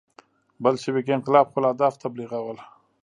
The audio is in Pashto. بلشویک انقلاب خپل اهداف تبلیغول.